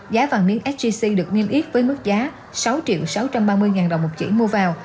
giá vàng miếng sgc được niêm yết với mức giá sáu sáu trăm ba mươi đồng một chỉ mua vào